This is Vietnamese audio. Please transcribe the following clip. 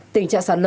tình trạng sạt lở